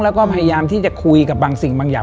แล้วก็พยายามที่จะคุยกับบางสิ่งบางอย่าง